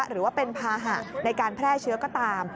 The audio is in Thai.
หรือว่าเป็นภาหะในการแพร่เชื้อก็ตาม